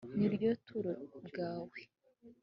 ni ryo buturo bwawe,